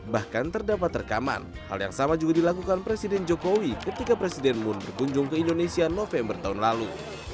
bahkan terdapat rekaman hal yang sama juga dilakukan presiden jokowi ketika presiden moon berkunjung ke indonesia november tahun lalu